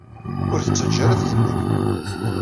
Ur t-ttaǧǧa ara ad t-yennal.